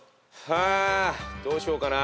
あどうしようかな。